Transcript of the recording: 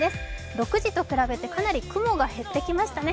６時と比べて、かなり雲が減ってきましたね。